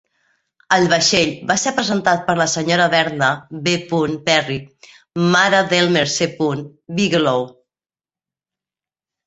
El vaixell va ser presentat per la senyora Verna B. Perry, mare d'Elmer C. Bigelow.